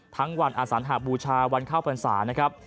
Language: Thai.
ทั้งวันอสัญหาบูชาวันเข้าพรรษานะครับ